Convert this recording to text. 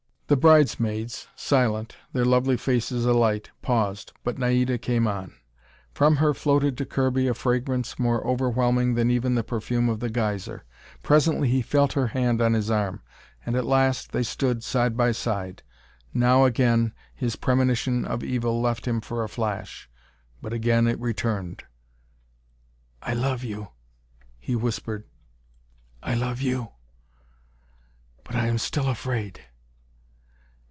The bridesmaids, silent, their lovely faces alight, paused. But Naida came on. From her floated to Kirby a fragrance more overwhelming than even the perfume of the geyser. Presently he felt her hand on his arm, and at last they stood side by side. Now again, his premonition of evil left him for a flash; but again it returned. "I love you," he whispered. "I love you." "But I am still afraid."